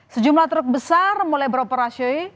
sejumlah truk besar mulai beroperasi